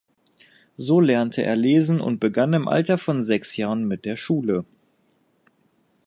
So lernte er lesen und begann im Alter von sechs Jahren mit der Schule.